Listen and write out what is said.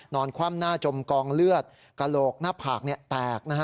คว่ำหน้าจมกองเลือดกระโหลกหน้าผากแตกนะฮะ